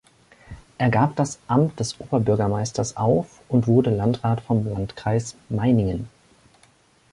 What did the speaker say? Er gab das Amt des Oberbürgermeisters auf und wurde Landrat vom Landkreis Meiningen.